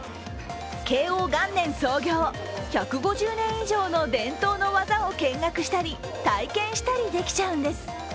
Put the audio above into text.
慶応元年創業、１５０年以上の伝統の技を見学したり体験したりできちゃうんです。